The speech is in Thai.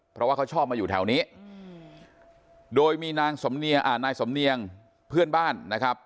เพราะว่าเขาชอบมาอยู่แถวนี้โดยมีนางนายสำเนียงเพื่อนบ้านนะครับ